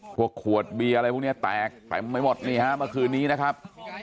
พวกขวดเบียร์อะไรพวกนี้แตกเต็มไปหมดนี่ฮะเมื่อคืนนี้นะครับ